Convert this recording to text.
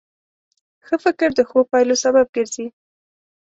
ښه فکر د ښو پایلو سبب ګرځي.